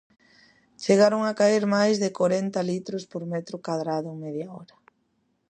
Chegaron a caer máis de corenta litros por metro cadrado en media hora.